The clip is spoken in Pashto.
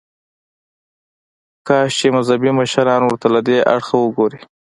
کاش چې مذهبي مشران ورته له دې اړخه وګوري.